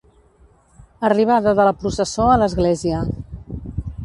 Arribada de la processó a l'església.